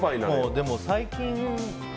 でも最近。